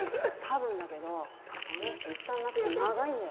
多分だけどあの人いったん泣くと長いんだよ。